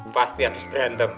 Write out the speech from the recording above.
pasti harus random